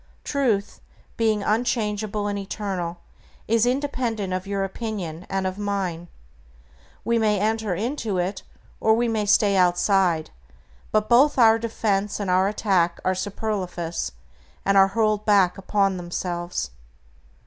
Truth, being unchangeable and eternal, is independent of your opinion and of mine. We may enter into it, or we may stay outside; but both our defense and our attack are superfluous, and are hurled back upon ourselves.